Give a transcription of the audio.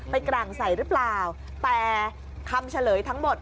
กร่างใส่หรือเปล่าแต่คำเฉลยทั้งหมด